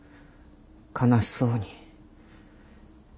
悲しそうに。